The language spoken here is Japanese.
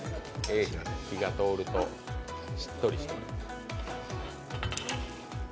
火が通るとしっとりします。